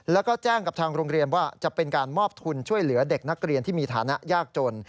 แล้วก็แจ้งกับทางโรงเรียนว่าจะเป็นการมอบทุนช่วยเหลือเด็กนักเรียนที่มีฐานะยากจน